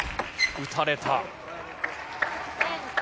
打たれた。